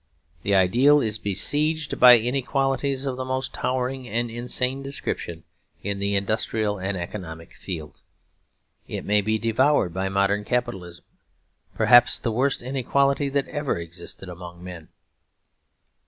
The ideal is besieged by inequalities of the most towering and insane description in the industrial and economic field. It may be devoured by modern capitalism, perhaps the worst inequality that ever existed among men.